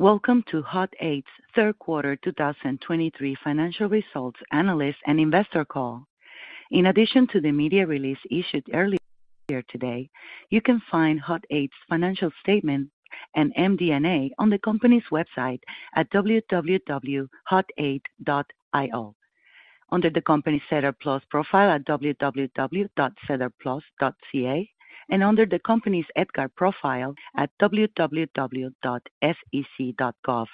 Welcome to Hut 8's third quarter 2023 financial results analyst and investor call. In addition to the media release issued earlier today, you can find Hut 8's financial statement and MD&A on the company's website at www.hut8.io, under the company's SEDAR+ profile at www.sedarplus.ca, and under the company's EDGAR profile at www.sec.gov.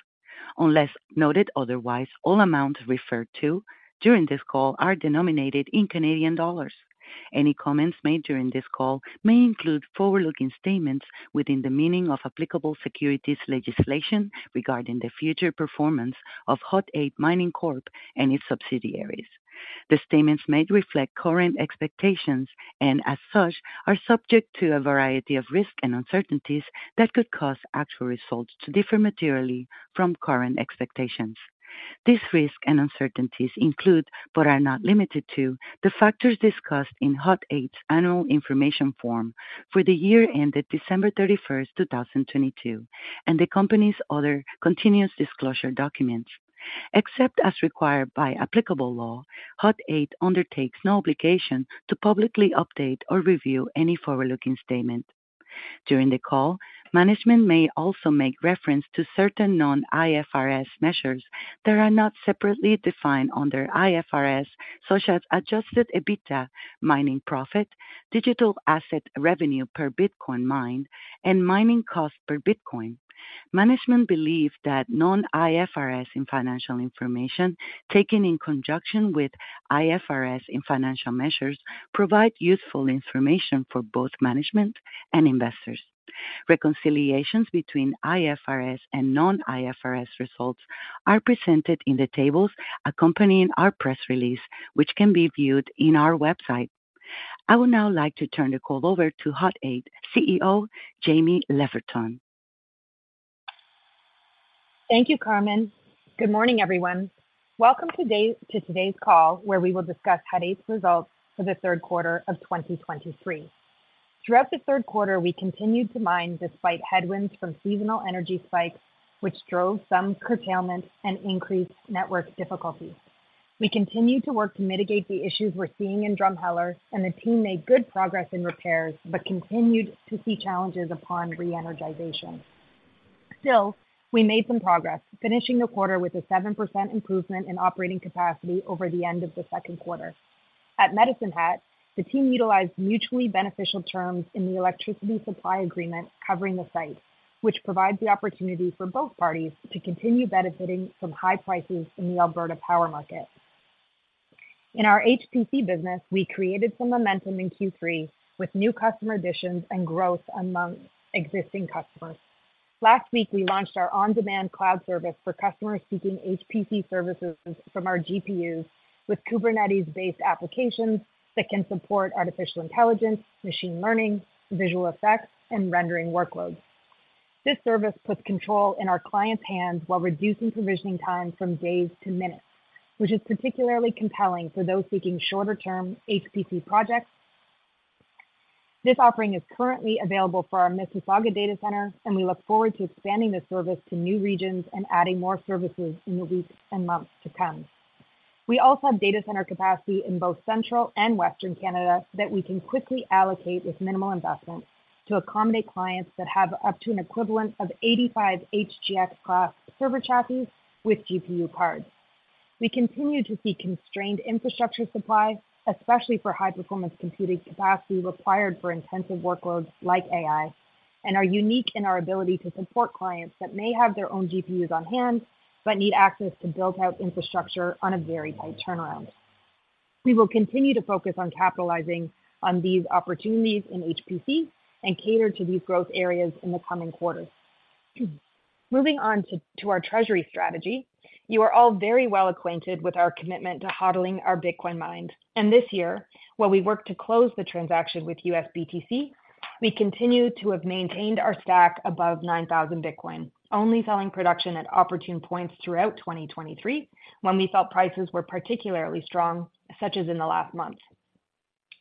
Unless noted otherwise, all amounts referred to during this call are denominated in Canadian dollars. Any comments made during this call may include forward-looking statements within the meaning of applicable securities legislation regarding the future performance of Hut 8 Mining Corp. and its subsidiaries. The statements may reflect current expectations and, as such, are subject to a variety of risks and uncertainties that could cause actual results to differ materially from current expectations. These risks and uncertainties include, but are not limited to, the factors discussed in Hut 8's Annual Information Form for the year ended December 31, 2022, and the company's other continuous disclosure documents. Except as required by applicable law, Hut 8 undertakes no obligation to publicly update or review any forward-looking statement. During the call, management may also make reference to certain non-IFRS measures that are not separately defined under IFRS, such as adjusted EBITDA, mining profit, digital asset revenue per Bitcoin mined, and mining cost per Bitcoin. Management believe that non-IFRS financial information, taken in conjunction with IFRS financial measures, provide useful information for both management and investors. Reconciliations between IFRS and non-IFRS results are presented in the tables accompanying our press release, which can be viewed on our website. I would now like to turn the call over to Hut 8 CEO, Jaime Leverton. Thank you, Carmen. Good morning, everyone. Welcome today to today's call, where we will discuss Hut 8's results for the third quarter of 2023. Throughout the third quarter, we continued to mine despite headwinds from seasonal energy spikes, which drove some curtailment and increased network difficulty. We continued to work to mitigate the issues we're seeing in Drumheller, and the team made good progress in repairs, but continued to see challenges upon re-energization. Still, we made some progress, finishing the quarter with a 7% improvement in operating capacity over the end of the second quarter. At Medicine Hat, the team utilized mutually beneficial terms in the electricity supply agreement covering the site, which provides the opportunity for both parties to continue benefiting from high prices in the Alberta power market. In our HPC business, we created some momentum in Q3 with new customer additions and growth among existing customers. Last week, we launched our on-demand cloud service for customers seeking HPC services from our GPUs, with Kubernetes-based applications that can support artificial intelligence, machine learning, visual effects, and rendering workloads. This service puts control in our clients' hands while reducing provisioning time from days to minutes, which is particularly compelling for those seeking shorter-term HPC projects. This offering is currently available for our Mississauga data center, and we look forward to expanding this service to new regions and adding more services in the weeks and months to come. We also have data center capacity in both central and western Canada that we can quickly allocate with minimal investment to accommodate clients that have up to an equivalent of 85 HGX class server chassis with GPU cards. We continue to see constrained infrastructure supply, especially for high-performance computing capacity required for intensive workloads like AI, and are unique in our ability to support clients that may have their own GPUs on hand but need access to built-out infrastructure on a very tight turnaround. We will continue to focus on capitalizing on these opportunities in HPC and cater to these growth areas in the coming quarters. Moving on to our treasury strategy, you are all very well acquainted with our commitment to HODLing our Bitcoin mined, and this year, while we worked to close the transaction with USBTC, we continue to have maintained our stack above 9,000 Bitcoin, only selling production at opportune points throughout 2023 when we felt prices were particularly strong, such as in the last month.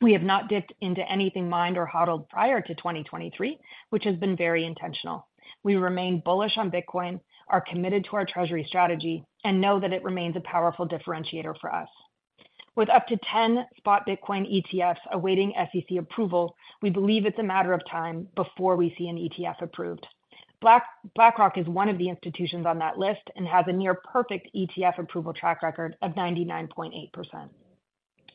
We have not dipped into anything mined or HODLed prior to 2023, which has been very intentional. We remain bullish on Bitcoin, are committed to our treasury strategy, and know that it remains a powerful differentiator for us. With up to 10 spot Bitcoin ETFs awaiting SEC approval, we believe it's a matter of time before we see an ETF approved. BlackRock is one of the institutions on that list and has a near-perfect ETF approval track record of 99.8%.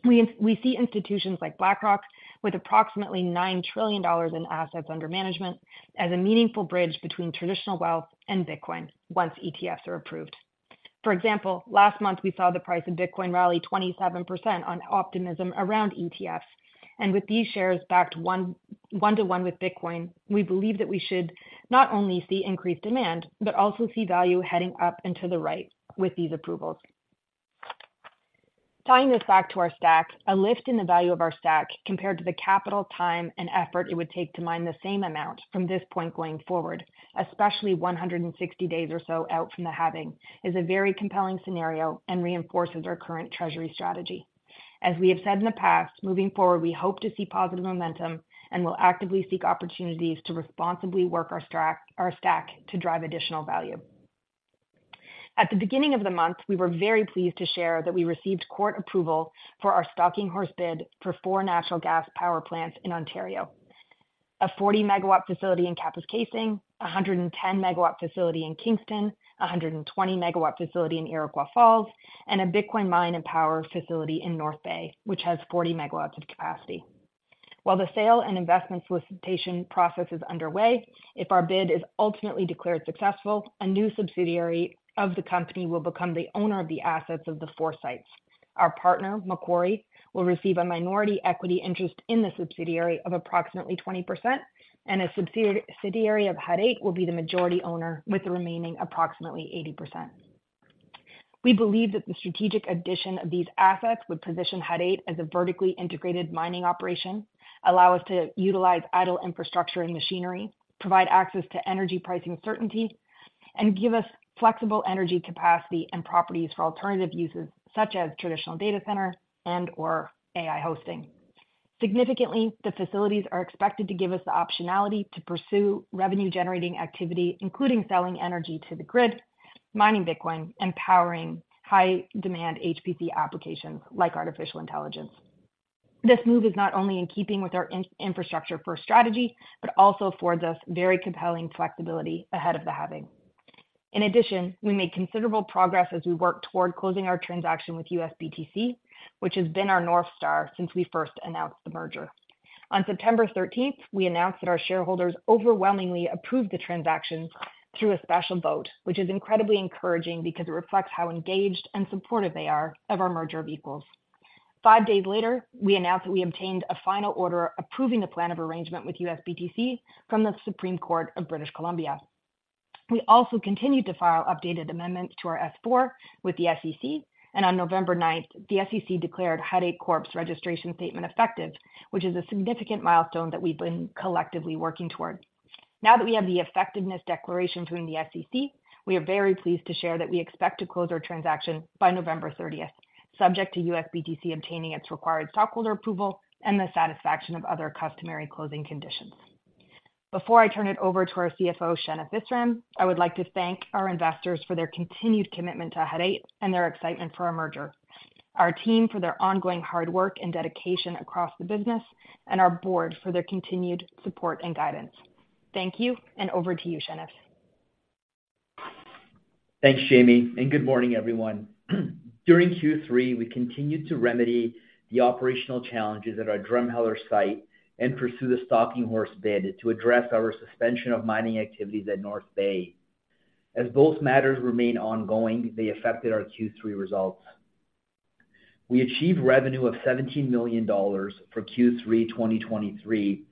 We see institutions like BlackRock with approximately $9 trillion in assets under management as a meaningful bridge between traditional wealth and Bitcoin once ETFs are approved. For example, last month, we saw the price of Bitcoin rally 27% on optimism around ETFs, and with these shares backed 1:1 with Bitcoin, we believe that we should not only see increased demand, but also see value heading up into the right with these approvals. Tying this back to our stack, a lift in the value of our stack compared to the capital, time, and effort it would take to mine the same amount from this point going forward, especially 160 days or so out from the halving, is a very compelling scenario and reinforces our current treasury strategy.... As we have said in the past, moving forward, we hope to see positive momentum and will actively seek opportunities to responsibly work our stack, our stack to drive additional value. At the beginning of the month, we were very pleased to share that we received court approval for our stalking horse bid for four natural gas power plants in Ontario. A 40 MW facility in Kapuskasing, a 110 MW facility in Kingston, a 120 MW facility in Iroquois Falls, and a Bitcoin mine and power facility in North Bay, which has 40 MW of capacity. While the sale and investment solicitation process is underway, if our bid is ultimately declared successful, a new subsidiary of the company will become the owner of the assets of the four sites. Our partner, Macquarie, will receive a minority equity interest in the subsidiary of approximately 20%, and a subsidiary of Hut 8 will be the majority owner with the remaining approximately 80%. We believe that the strategic addition of these assets would position Hut 8 as a vertically integrated mining operation, allow us to utilize idle infrastructure and machinery, provide access to energy pricing certainty, and give us flexible energy capacity and properties for alternative uses such as traditional data center and/or AI hosting. Significantly, the facilities are expected to give us the optionality to pursue revenue-generating activity, including selling energy to the grid, mining Bitcoin, and powering high-demand HPC applications like artificial intelligence. This move is not only in keeping with our infrastructure-first strategy, but also affords us very compelling flexibility ahead of the halving. In addition, we made considerable progress as we work toward closing our transaction with USBTC, which has been our North Star since we first announced the merger. On September 13, we announced that our shareholders overwhelmingly approved the transaction through a special vote, which is incredibly encouraging because it reflects how engaged and supportive they are of our merger of equals. Five days later, we announced that we obtained a final order approving the plan of arrangement with USBTC from the Supreme Court of British Columbia. We also continued to file updated amendments to our S-4 with the SEC, and on November 9th, the SEC declared Hut 8 Corp's registration statement effective, which is a significant milestone that we've been collectively working toward. Now that we have the effectiveness declaration from the SEC, we are very pleased to share that we expect to close our transaction by November 30th, subject to USBTC obtaining its required stockholder approval and the satisfaction of other customary closing conditions. Before I turn it over to our CFO, Shenif Visram, I would like to thank our investors for their continued commitment to Hut 8 and their excitement for our merger, our team for their ongoing hard work and dedication across the business, and our board for their continued support and guidance. Thank you, and over to you, Shenif. Thanks, Jaime, and good morning, everyone. During Q3, we continued to remedy the operational challenges at our Drumheller site and pursue the stalking horse bid to address our suspension of mining activities at North Bay. As both matters remain ongoing, they affected our Q3 results. We achieved revenue of $17 million for Q3 2023,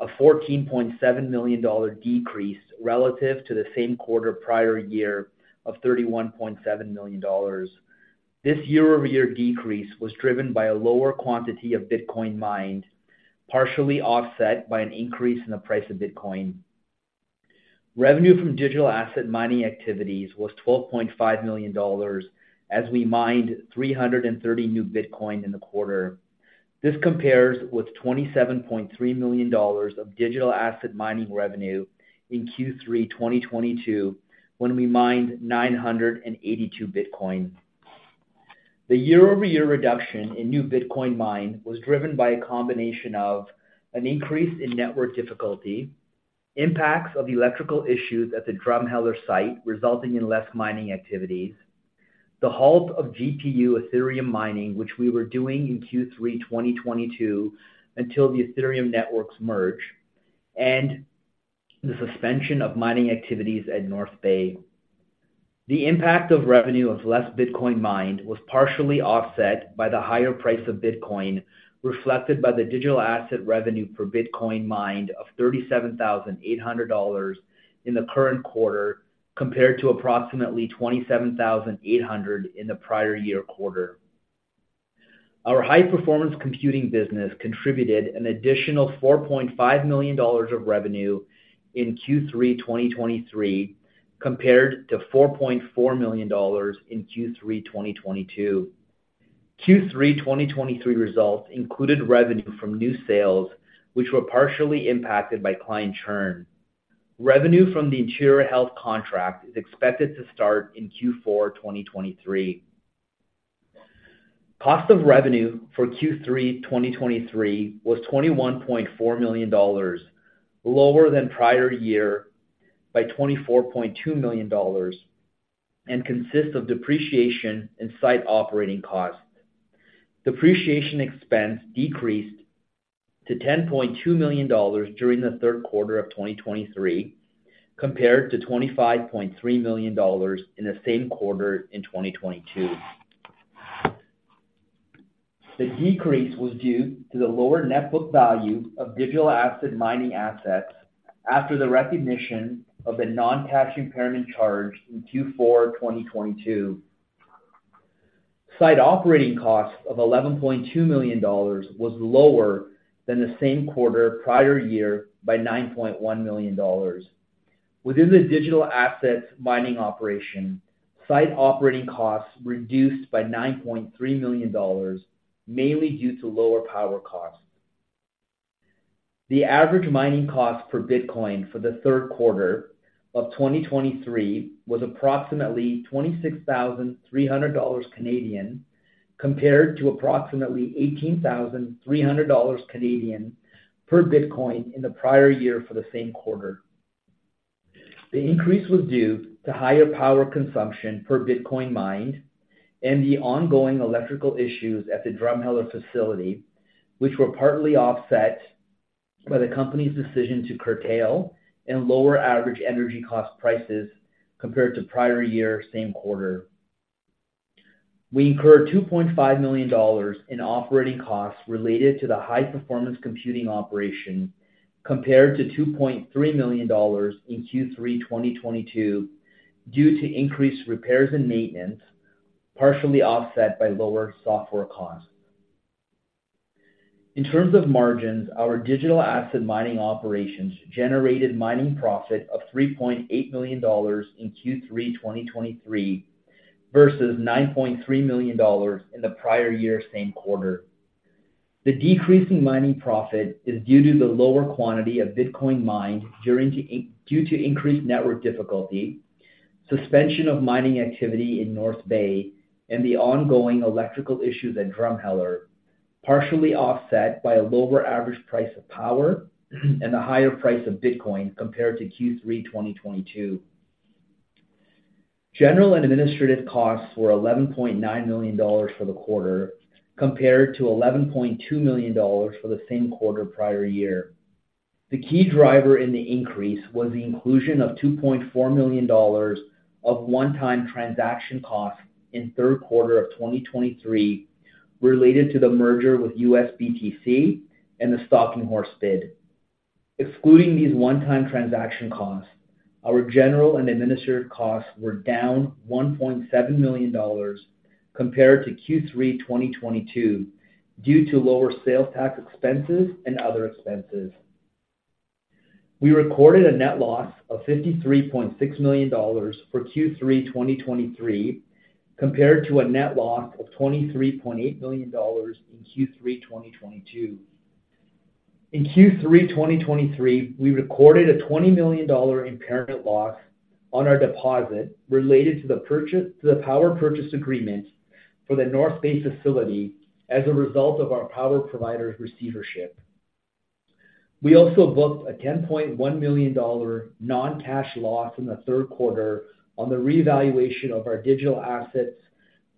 a $14.7 million decrease relative to the same quarter prior year of $31.7 million. This year-over-year decrease was driven by a lower quantity of Bitcoin mined, partially offset by an increase in the price of Bitcoin. Revenue from digital asset mining activities was $12.5 million, as we mined 330 new Bitcoin in the quarter. This compares with $27.3 million of digital asset mining revenue in Q3 2022, when we mined 982 Bitcoin. The year-over-year reduction in new Bitcoin mined was driven by a combination of an increase in network difficulty, impacts of electrical issues at the Drumheller site, resulting in less mining activities, the halt of GPU Ethereum mining, which we were doing in Q3 2022 until the Ethereum networks merge, and the suspension of mining activities at North Bay. The impact of revenue of less Bitcoin mined was partially offset by the higher price of Bitcoin, reflected by the digital asset revenue per Bitcoin mined of $37,800 in the current quarter, compared to approximately $27,800 in the prior year quarter. Our high-performance computing business contributed an additional $4.5 million of revenue in Q3 2023, compared to $4.4 million in Q3 2022. Q3 2023 results included revenue from new sales, which were partially impacted by client churn. Revenue from the Interior Health contract is expected to start in Q4 2023. Cost of revenue for Q3 2023 was $21.4 million, lower than prior year by $24.2 million, and consists of depreciation and site operating costs. Depreciation expense decreased to $10.2 million during the third quarter of 2023, compared to $25.3 million in the same quarter in 2022. The decrease was due to the lower net book value of digital asset mining assets after the recognition of the non-cash impairment charge in Q4 2022. Site operating costs of $11.2 million was lower than the same quarter prior year by $9.1 million. Within the digital assets mining operation, site operating costs reduced by 9.3 million dollars, mainly due to lower power costs. The average mining cost per Bitcoin for the third quarter of 2023 was approximately 26,300 Canadian dollars, compared to approximately 18,300 Canadian dollars per Bitcoin in the prior year for the same quarter. The increase was due to higher power consumption per Bitcoin mined and the ongoing electrical issues at the Drumheller facility, which were partly offset by the company's decision to curtail and lower average energy cost prices compared to prior year, same quarter. We incurred 2.5 million dollars in operating costs related to the high-performance computing operation, compared to 2.3 million dollars in Q3 2022, due to increased repairs and maintenance, partially offset by lower software costs. In terms of margins, our digital asset mining operations generated mining profit of $3.8 million in Q3 2023, versus $9.3 million in the prior year same quarter. The decrease in mining profit is due to the lower quantity of Bitcoin mined due to increased network difficulty, suspension of mining activity in North Bay, and the ongoing electrical issues at Drumheller, partially offset by a lower average price of power and a higher price of Bitcoin compared to Q3 2022. General and administrative costs were $11.9 million for the quarter, compared to $11.2 million for the same quarter prior year. The key driver in the increase was the inclusion of 2.4 million dollars of one-time transaction costs in third quarter of 2023, related to the merger with USBTC and the stalking horse bid. Excluding these one-time transaction costs, our general and administrative costs were down 1.7 million dollars compared to Q3 2022, due to lower sales tax expenses and other expenses. We recorded a net loss of 53.6 million dollars for Q3 2023, compared to a net loss of 23.8 million dollars in Q3 2022. In Q3 2023, we recorded a 20 million dollar impairment loss on our deposit related to the power purchase agreement for the North Bay facility as a result of our power provider's receivership. We also booked a 10.1 million dollar non-cash loss in the third quarter on the revaluation of our digital assets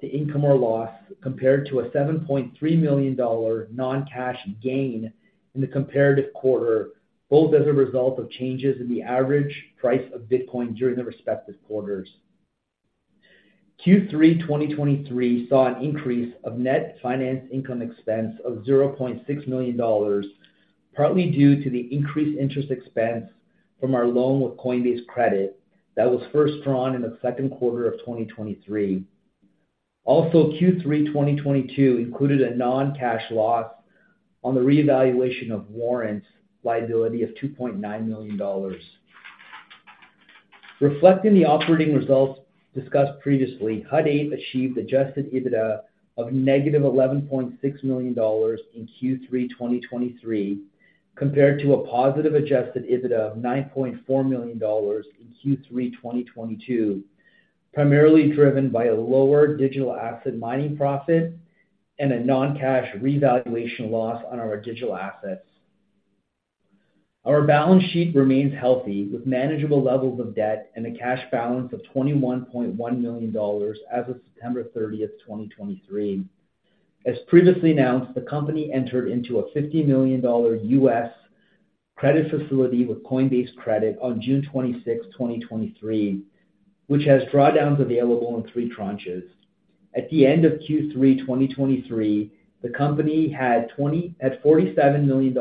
to income or loss, compared to a 7.3 million dollar non-cash gain in the comparative quarter, both as a result of changes in the average price of Bitcoin during the respective quarters. Q3 2023 saw an increase of net finance income expense of 0.6 million dollars, partly due to the increased interest expense from our loan with Coinbase Credit that was first drawn in the second quarter of 2023. Also, Q3 2022 included a non-cash loss on the revaluation of warrant liability of 2.9 million dollars. Reflecting the operating results discussed previously, Hut 8 achieved adjusted EBITDA of -11.6 million dollars in Q3 2023, compared to a positive adjusted EBITDA of 9.4 million dollars in Q3 2022, primarily driven by a lower digital asset mining profit and a non-cash revaluation loss on our digital assets. Our balance sheet remains healthy, with manageable levels of debt and a cash balance of 21.1 million dollars as of September 30th, 2023. As previously announced, the company entered into a $50 million US credit facility with Coinbase Credit on June 26th, 2023, which has drawdowns available in three tranches. At the end of Q3 2023, the company had 47 million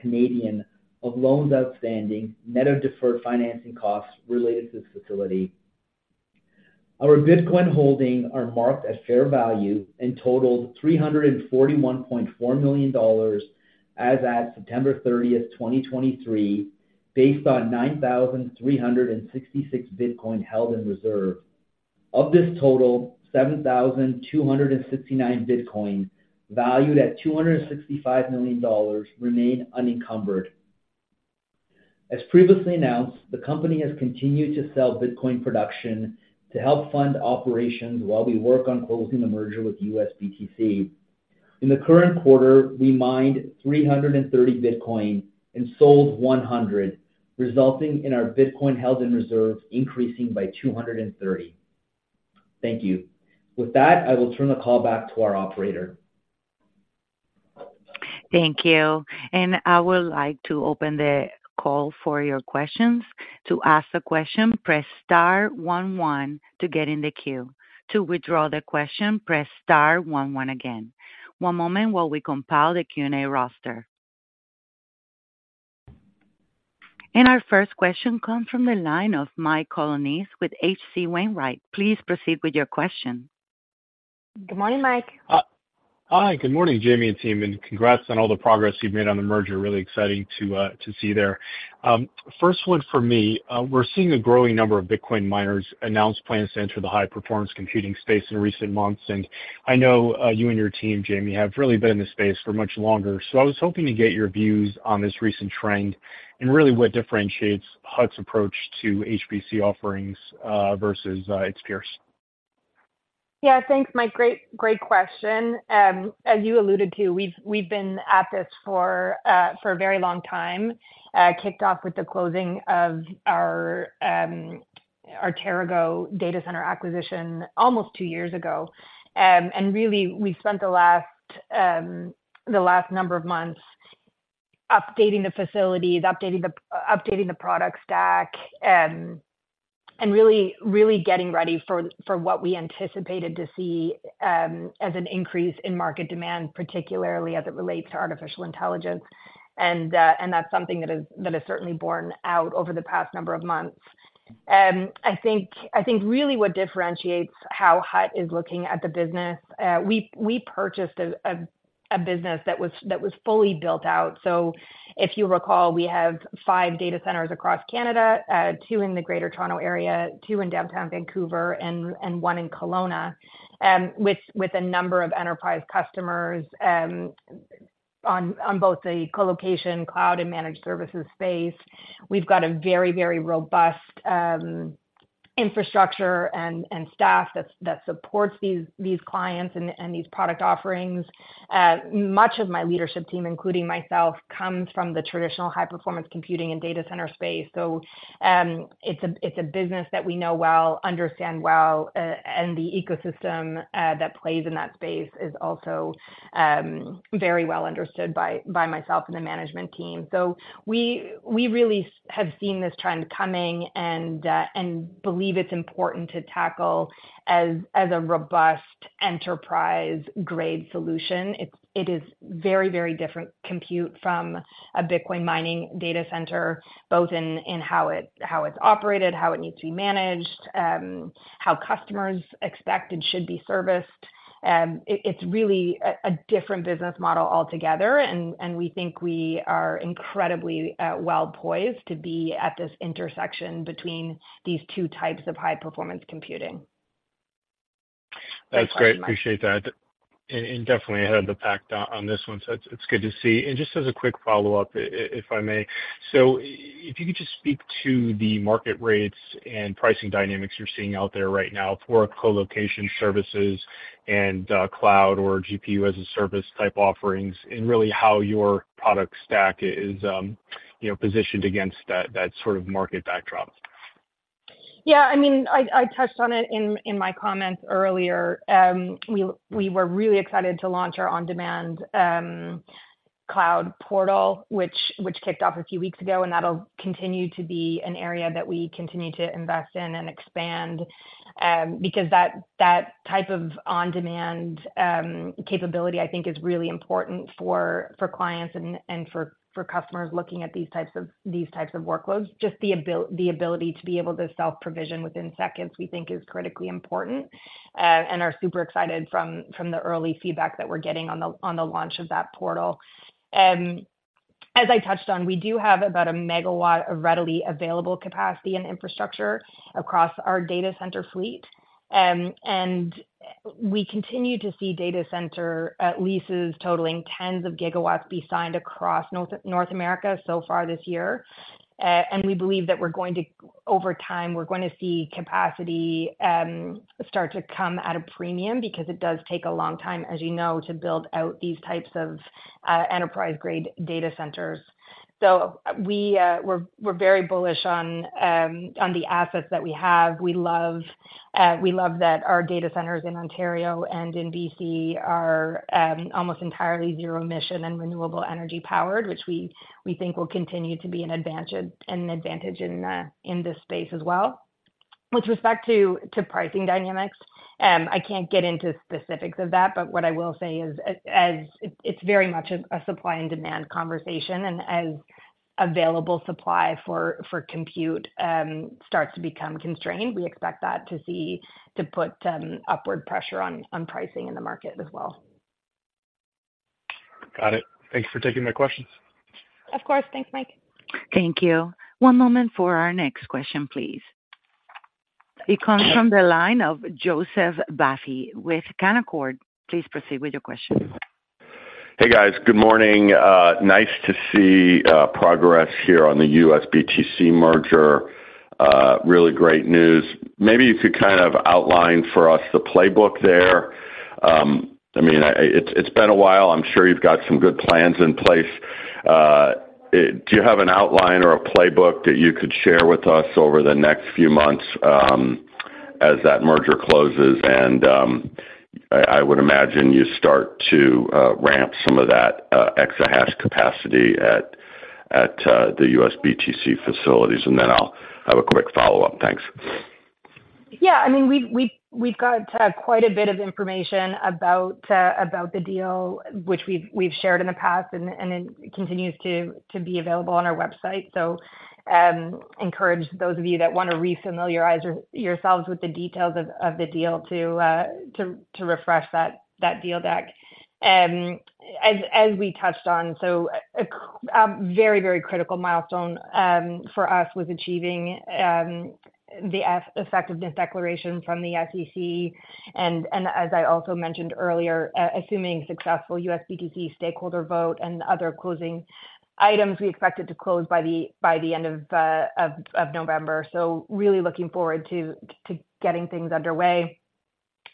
Canadian dollars of loans outstanding, net of deferred financing costs related to this facility. Our Bitcoin holdings are marked at fair value and totaled $341.4 million as at September 30, 2023, based on 9,366 Bitcoin held in reserve. Of this total, 7,269 Bitcoin, valued at $265 million, remain unencumbered. As previously announced, the company has continued to sell Bitcoin production to help fund operations while we work on closing the merger with USBTC. In the current quarter, we mined 330 Bitcoin and sold 100, resulting in our Bitcoin held in reserves increasing by 230. Thank you. With that, I will turn the call back to our operator. Thank you. And I would like to open the call for your questions. To ask a question, press star one one to get in the queue. To withdraw the question, press star one one again. One moment while we compile the Q&A roster. And our first question comes from the line of Mike Colonnese with H.C. Wainwright. Please proceed with your question. Good morning, Mike. Hi, good morning, Jaime and team, and congrats on all the progress you've made on the merger. Really exciting to see there. First one for me, we're seeing a growing number of Bitcoin miners announce plans to enter the high-performance computing space in recent months, and I know you and your team, Jaime, have really been in this space for much longer. So I was hoping to get your views on this recent trend and really what differentiates Hut 8's approach to HPC offerings versus its peers. Yeah, thanks, Mike. Great, great question. As you alluded to, we've been at this for a very long time, kicked off with the closing of our TeraGo data center acquisition almost two years ago. And really, we spent the last number of months updating the facilities, updating the product stack, and really getting ready for what we anticipated to see as an increase in market demand, particularly as it relates to artificial intelligence. And that's something that has certainly borne out over the past number of months. I think really what differentiates how Hut 8 is looking at the business, we purchased a business that was fully built out. So if you recall, we have five data centers across Canada, two in the Greater Toronto Area, two in downtown Vancouver, and one in Kelowna, with a number of enterprise customers on both the colocation, cloud, and managed services space. We've got a very, very robust infrastructure and staff that supports these clients and these product offerings. Much of my leadership team, including myself, comes from the traditional high-performance computing and data center space. So, it's a business that we know well, understand well, and the ecosystem that plays in that space is also very well understood by myself and the management team. So we really have seen this trend coming and believe it's important to tackle as a robust enterprise-grade solution. It is very, very different compute from a Bitcoin mining data center, both in how it's operated, how it needs to be managed, how customers expect and should be serviced. It's really a different business model altogether, and we think we are incredibly well-poised to be at this intersection between these two types of high-performance computing. That's great. Appreciate that. And definitely ahead of the pack on this one, so it's good to see. And just as a quick follow-up, if I may. So if you could just speak to the market rates and pricing dynamics you're seeing out there right now for colocation services and cloud or GPU-as-a-Service type offerings, and really how your product stack is, you know, positioned against that sort of market backdrop. Yeah, I mean, I, I touched on it in, in my comments earlier. We were really excited to launch our on-demand cloud portal, which kicked off a few weeks ago, and that'll continue to be an area that we continue to invest in and expand, because that type of on-demand capability, I think is really important for, for clients and, and for, for customers looking at these types of, these types of workloads. The ability to be able to self-provision within seconds, we think is critically important, and are super excited from, from the early feedback that we're getting on the, on the launch of that portal. As I touched on, we do have about 1 MW of readily available capacity and infrastructure across our data center fleet. And we continue to see data center leases totaling tens of gigawatts be signed across North America so far this year. And we believe that we're going to... Over time, we're going to see capacity start to come at a premium because it does take a long time, as you know, to build out these types of enterprise-grade data centers. So we're very bullish on the assets that we have. We love that our data centers in Ontario and in BC are almost entirely zero emission and renewable energy powered, which we think will continue to be an advantage in this space as well. With respect to pricing dynamics, I can't get into specifics of that, but what I will say is as it's very much a supply and demand conversation, and as available supply for compute starts to become constrained, we expect that to put upward pressure on pricing in the market as well. Got it. Thank you for taking my questions. Of course. Thanks, Mike. Thank you. One moment for our next question, please. It comes from the line of Joseph Vafi with Canaccord. Please proceed with your question. Hey, guys. Good morning. Nice to see progress here on the USBTC merger. Really great news. Maybe you could kind of outline for us the playbook there. I mean, it's been a while. I'm sure you've got some good plans in place. Do you have an outline or a playbook that you could share with us over the next few months, as that merger closes, and I would imagine you start to ramp some of that exahash capacity at the USBTC facilities? And then I'll have a quick follow-up. Thanks. Yeah, I mean, we've got quite a bit of information about the deal, which we've shared in the past and it continues to be available on our website. So, encourage those of you that want to refamiliarize yourselves with the details of the deal to refresh that deal deck. As we touched on, so a very critical milestone for us was achieving the effectiveness declaration from the SEC. And as I also mentioned earlier, assuming successful USBTC stakeholder vote and other closing items, we expect it to close by the end of November. So really looking forward to getting things underway.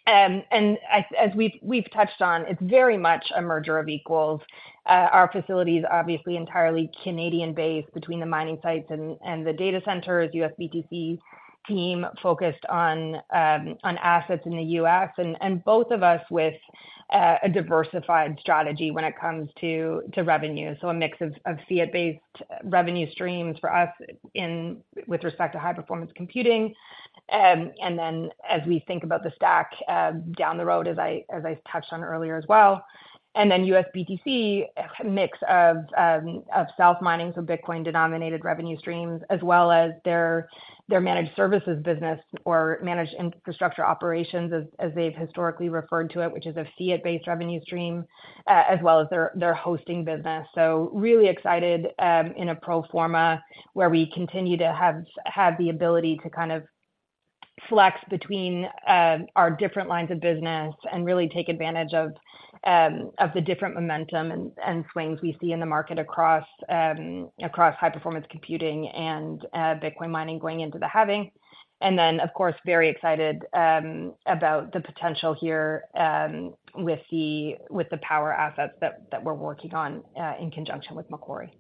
And as we've touched on, it's very much a merger of equals. Our facility is obviously entirely Canadian-based between the mining sites and the data centers, USBTC team focused on on assets in the U.S., and both of us with a diversified strategy when it comes to to revenue. So a mix of fiat-based revenue streams for us in with respect to high-performance computing. And then as we think about the stack down the road, as I touched on earlier as well, and then USBTC, a mix of self-mining, so Bitcoin-denominated revenue streams, as well as their managed services business or managed infrastructure operations, as they've historically referred to it, which is a fiat-based revenue stream, as well as their hosting business. So really excited in a pro forma where we continue to have the ability to kind of flex between our different lines of business and really take advantage of the different momentum and swings we see in the market across high-performance computing and Bitcoin mining going into the Halving. And then, of course, very excited about the potential here with the power assets that we're working on in conjunction with Macquarie.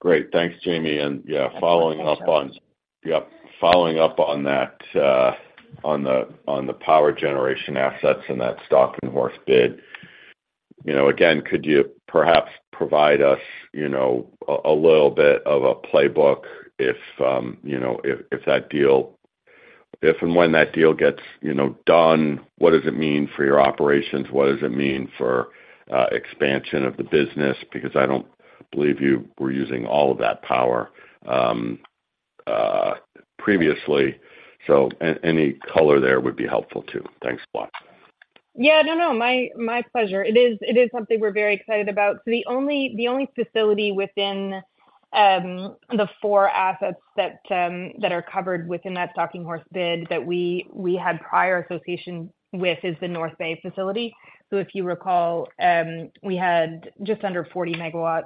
Great. Thanks, Jamie. And yeah, following up on—yep, following up on that, on the power generation assets and that Stalking Horse bid. You know, again, could you perhaps provide us, you know, a little bit of a playbook if, you know, if that deal—if and when that deal gets, you know, done, what does it mean for your operations? What does it mean for expansion of the business? Because I don't believe you were using all of that power previously, so any color there would be helpful, too. Thanks a lot. Yeah, no, no, my, my pleasure. It is, it is something we're very excited about. So the only, the only facility within the four assets that that are covered within that stalking horse bid that we, we had prior association with is the North Bay facility. So if you recall, we had just under 40 MW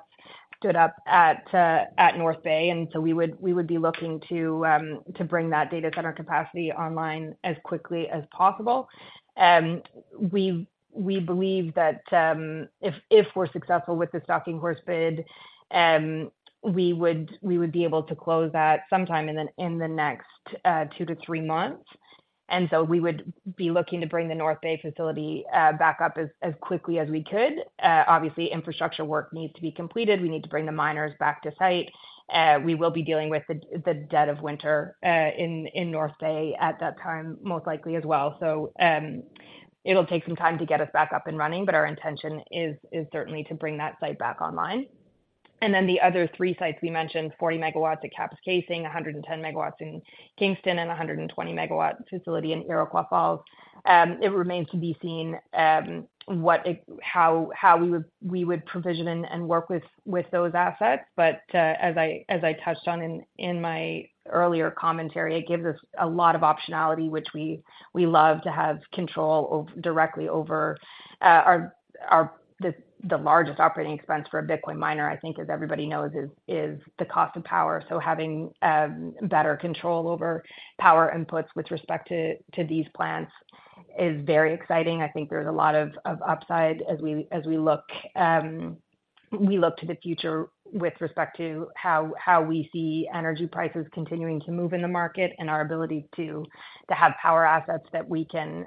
stood up at at North Bay, and so we would, we would be looking to to bring that data center capacity online as quickly as possible. We, we believe that, if, if we're successful with the stalking horse bid, we would, we would be able to close that sometime in the, in the next, 2 months-3 months. And so we would be looking to bring the North Bay facility back up as, as quickly as we could. Obviously, infrastructure work needs to be completed. We need to bring the miners back to site. We will be dealing with the dead of winter in North Bay at that time, most likely as well. So, it'll take some time to get us back up and running, but our intention is certainly to bring that site back online. And then the other three sites we mentioned, 40 MW at Kapuskasing, 110 MW in Kingston, and a 120 MW facility in Iroquois Falls. It remains to be seen what it—how we would provision and work with those assets. But, as I touched on in my earlier commentary, it gives us a lot of optionality, which we love to have control over, directly over. Our the largest operating expense for a Bitcoin miner, I think, as everybody knows, is the cost of power. So having better control over power inputs with respect to these plants is very exciting. I think there's a lot of upside as we look to the future with respect to how we see energy prices continuing to move in the market and our ability to have power assets that we can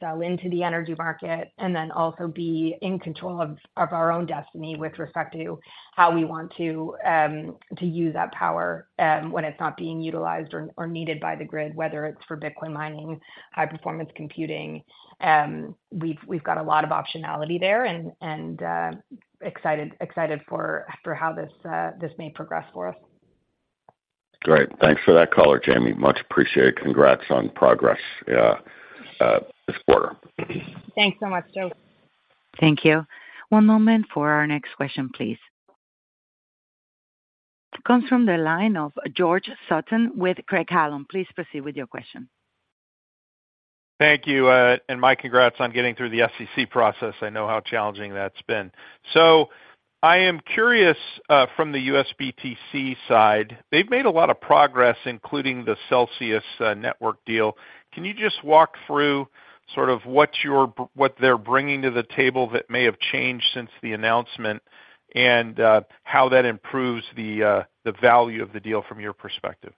sell into the energy market, and then also be in control of our own destiny with respect to how we want to use that power when it's not being utilized or needed by the grid, whether it's for Bitcoin mining, high-performance computing. We've got a lot of optionality there and excited for how this may progress for us. Great. Thanks for that color, Jamie. Much appreciated. Congrats on progress, this quarter. Thanks so much, Joe. Thank you. One moment for our next question, please. Comes from the line of George Sutton with Craig-Hallum. Please proceed with your question. Thank you, and my congrats on getting through the SEC process. I know how challenging that's been. I am curious, from the USBTC side, they've made a lot of progress, including the Celsius network deal. Can you just walk through sort of what they're bringing to the table that may have changed since the announcement, and, how that improves the value of the deal from your perspective?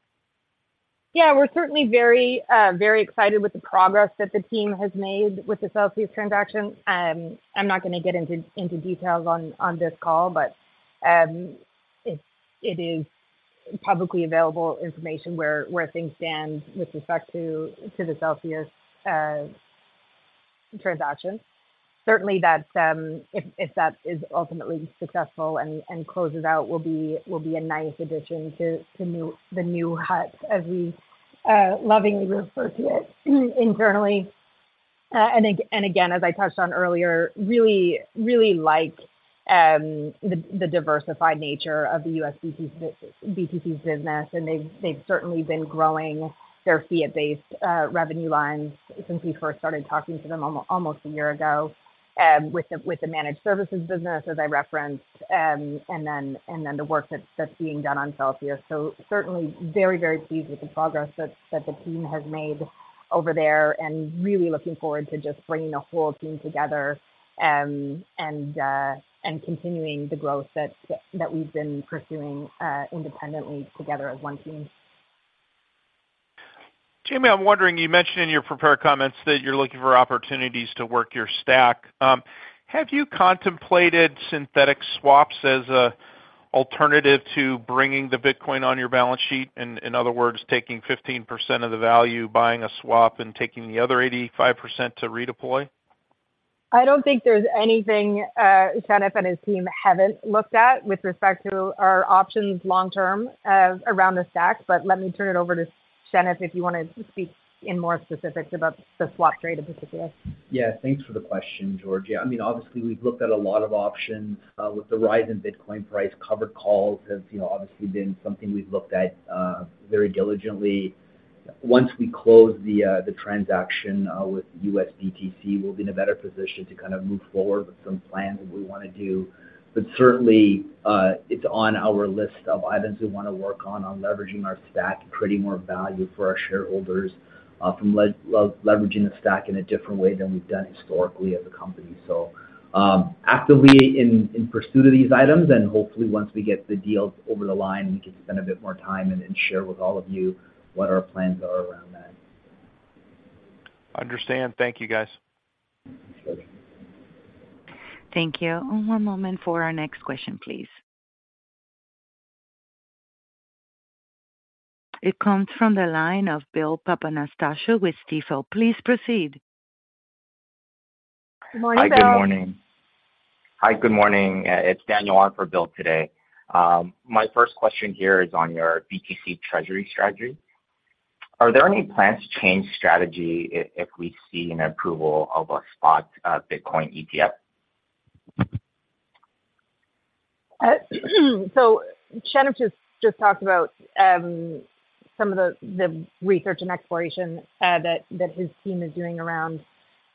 Yeah, we're certainly very, very excited with the progress that the team has made with the Celsius transaction. I'm not gonna get into, into details on, on this call, but, it, it is publicly available information where, where things stand with respect to, to the Celsius transaction. Certainly, that's, if, if that is ultimately successful and, and closes out, will be, will be a nice addition to, to new-- the new Hut as we-... lovingly refer to it internally. And again, as I touched on earlier, really, really like the diversified nature of the USBTC, BTC's business, and they've certainly been growing their fiat-based revenue lines since we first started talking to them almost a year ago, with the managed services business, as I referenced, and then the work that's being done on Celsius. So certainly very, very pleased with the progress that the team has made over there, and really looking forward to just bringing the whole team together, and continuing the growth that we've been pursuing independently together as one team. Jamie, I'm wondering, you mentioned in your prepared comments that you're looking for opportunities to work your stack. Have you contemplated synthetic swaps as a alternative to bringing the Bitcoin on your balance sheet? In other words, taking 15% of the value, buying a swap, and taking the other 85% to redeploy? I don't think there's anything, Shenif and his team haven't looked at with respect to our options long term, around the stack. But let me turn it over to Shenif, if you wanna speak in more specifics about the swap trade in particular. Yeah, thanks for the question, George. Yeah, I mean, obviously, we've looked at a lot of options. With the rise in Bitcoin price, covered calls has, you know, obviously been something we've looked at very diligently. Once we close the transaction with USBTC, we'll be in a better position to kind of move forward with some plans that we wanna do. But certainly, it's on our list of items we wanna work on, on leveraging our stack and creating more value for our shareholders, from leveraging the stack in a different way than we've done historically as a company. So, actively in pursuit of these items, and hopefully once we get the deal over the line, we can spend a bit more time and share with all of you what our plans are around that. Understand. Thank you, guys. Thanks. Thank you. One more moment for our next question, please. It comes from the line of Bill Papanastasiou with Stifel. Please proceed. Good morning, Bill. Hi, good morning. Hi, good morning. It's Daniel on for Bill today. My first question here is on your BTC treasury strategy. Are there any plans to change strategy if we see an approval of a spot Bitcoin ETF? So Shenif just talked about some of the research and exploration that his team is doing around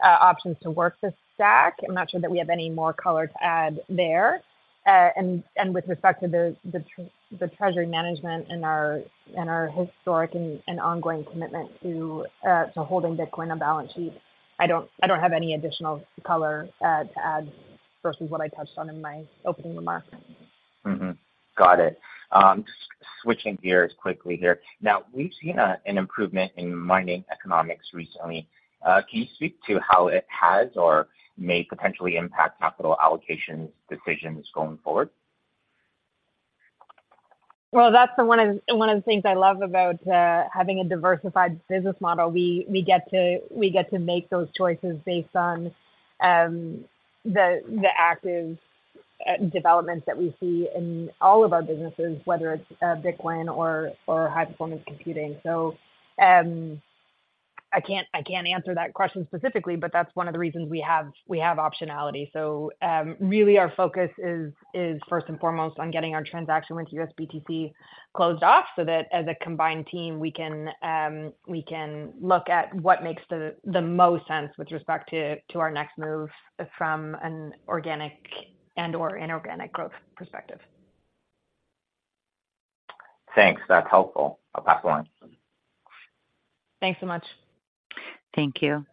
options to work the stack. I'm not sure that we have any more color to add there. And with respect to the treasury management and our historic and ongoing commitment to holding Bitcoin on balance sheet, I don't have any additional color to add versus what I touched on in my opening remarks. Mm-hmm. Got it. Just switching gears quickly here. Now, we've seen an improvement in mining economics recently. Can you speak to how it has or may potentially impact capital allocations decisions going forward? Well, that's one of the things I love about having a diversified business model. We get to make those choices based on the active developments that we see in all of our businesses, whether it's Bitcoin or high-performance computing. So, I can't answer that question specifically, but that's one of the reasons we have optionality. So, really our focus is first and foremost on getting our transaction with USBTC closed off, so that as a combined team, we can look at what makes the most sense with respect to our next move from an organic and/or inorganic growth perspective. Thanks. That's helpful. I'll pass on. Thanks so much. Thank you.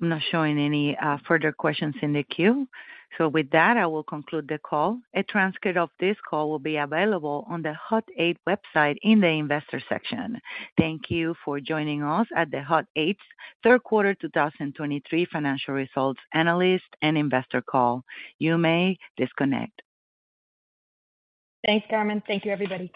I'm not showing any further questions in the queue. So with that, I will conclude the call. A transcript of this call will be available on the Hut 8 website in the Investors section. Thank you for joining us at the Hut 8's third quarter 2023 financial results analyst and investor call. You may disconnect. Thanks, Carmen. Thank you, everybody.